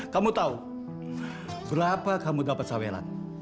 kamu tahu berapa kamu dapat sawelan